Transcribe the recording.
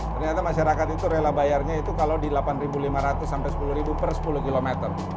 ternyata masyarakat itu rela bayarnya itu kalau di rp delapan lima ratus sampai sepuluh per sepuluh km